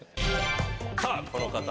さぁこの方。